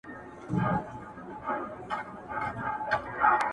زه او ته یو په قانون له یوه کوره!!